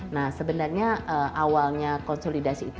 nah sebenarnya awalnya konsolidasi itu